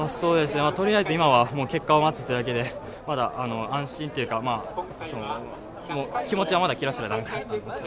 取りあえず今は結果を待つだけでまだ安心というか、気持ちは、まだ切らせていません。